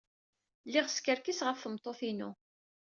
Lliɣ skerkiseɣ ɣef tmeṭṭut-inu.